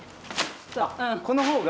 この方が。